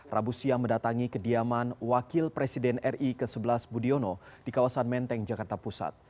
rabu siang mendatangi kediaman wakil presiden ri ke sebelas budiono di kawasan menteng jakarta pusat